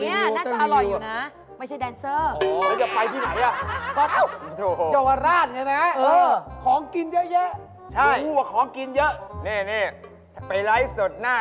อยู่แนี่ยนั่นอร่อยอยู่นะ